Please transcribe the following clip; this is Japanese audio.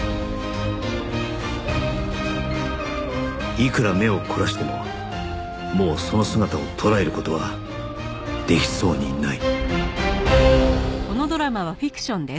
いくら目を凝らしてももうその姿を捉える事はできそうにない